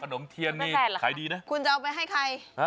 เอาได้ขนมเทียนนี่ขายดีนะครับคุณจะเอาไปให้ใคร